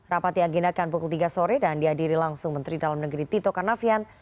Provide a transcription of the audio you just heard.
rapat yang diendahkan pukul tiga sore dan diadiri langsung menteri dalam negeri tito kanavian